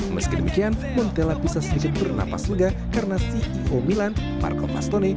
meski demikian montella bisa sedikit bernapas lega karena ceo milan marco fastone